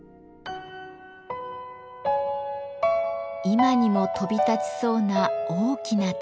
今にも飛び立ちそうな大きな鷹。